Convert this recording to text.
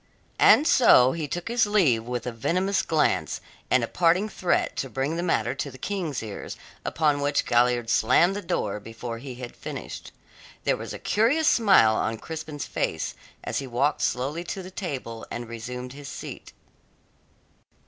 And so he took his leave with a venomous glance, and a parting threat to bring the matter to the King's ears, upon which Galliard slammed the door before he had finished. There was a curious smile on Crispin's face as he walked slowly to the table, and resumed his seat.